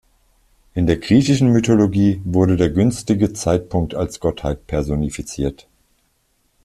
In der griechischen Mythologie wurde der günstige Zeitpunkt als Gottheit personifiziert.